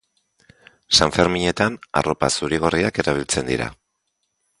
Sanferminetan arropa zuri-gorriak erabiltzen dira.